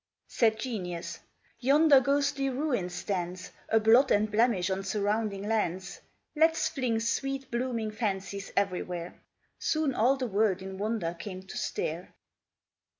Said Genius, 'Yonder ghostly ruin stands A blot and blemish on surrounding lands; Let's fling sweet, blooming fancies everywhere.' Soon all the world in wonder came to stare.